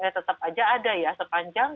tetap aja ada ya sepanjang